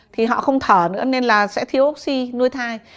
thì họ không thở nữa nên là sẽ thiếu oxy nuôi thai